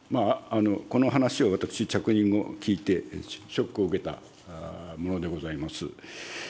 この話を私、着任後、聞いて、ショックを受けたものでございます。